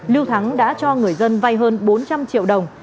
lưu thắng đã cho người dân vay hơn bốn trăm linh triệu đồng